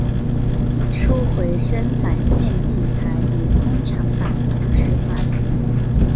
初回生产限定盘与通常版同时发行。